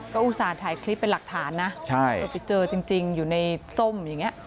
ก็อุตส่าห์ถ่ายคลิปเป็นหลักฐานนะไปเจอจริงอยู่ในส้มอย่างนี้